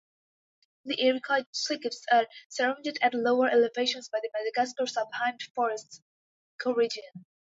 The ericoid thickets are surrounded at lower elevations by the Madagascar subhumid forests ecoregion.